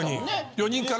４人から。